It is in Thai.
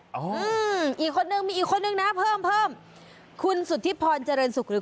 อ๋ออืมอีกคนนึงมีอีกคนนึงนะเพิ่มคุณสุดทิศภอนธ์จะเรินศุกร์หรือ